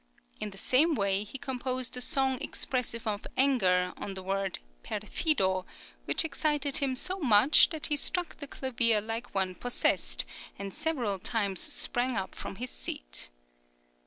In the same way he composed a song expressive of anger on the word perfido which excited him so much, that he struck the clavier like one possessed, and several times sprang up from his seat.